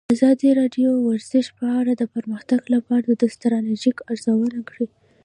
ازادي راډیو د ورزش په اړه د پرمختګ لپاره د ستراتیژۍ ارزونه کړې.